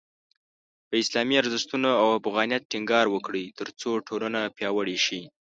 په اسلامي ارزښتونو او افغانیت ټینګار وکړئ، ترڅو ټولنه پیاوړې شي.